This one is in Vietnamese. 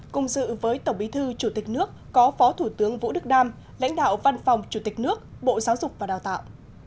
cùng dự với tổng bí thư chủ tịch nước có phó thủ tướng vũ đức đam lãnh đạo văn phòng chủ tịch nước bộ giáo dục và đào tạo